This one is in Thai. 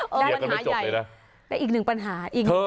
ได้อีกหนึ่งปัญหาอีกหนึ่งคดี